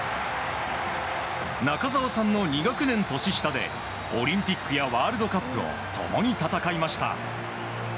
中澤さんの２学年年下でオリンピックやワールドカップを共に戦いました。